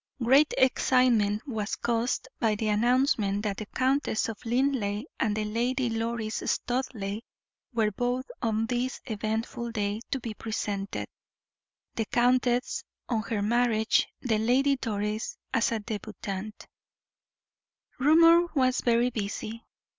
Great excitement was caused by the announcement that the Countess of Linleigh and the Lady Doris Studleigh were both on this eventful day to be presented, the countess on her marriage, the Lady Doris as a debutante. Rumor was very busy.